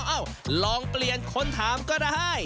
เอ้าลองเปลี่ยนคนถามก็ได้